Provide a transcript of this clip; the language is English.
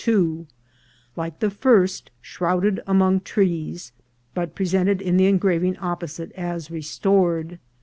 2, like the first shrouded among trees, but presented in the engraving opposite as restored.